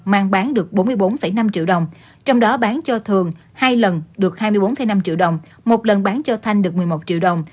mang bán được bốn mươi bốn năm triệu đồng trong đó bán cho thường hai lần được hai mươi bốn năm triệu đồng một lần bán cho thanh được một mươi một triệu đồng